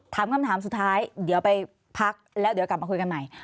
คำถามสุดท้ายเดี๋ยวไปพักแล้วเดี๋ยวกลับมาคุยกันใหม่